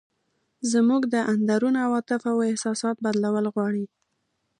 زموږ د اندرون عواطف او احساسات بدلول غواړي.